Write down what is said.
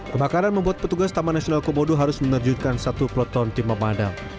kebakaran membuat petugas taman nasional komodo harus menerjunkan satu peloton timah padang